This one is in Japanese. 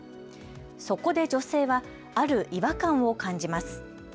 そこで女性はある違和感を感じます。